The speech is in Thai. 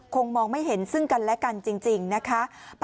คงมองไม่เห็นซึ่งกันและกันจริงนะคะ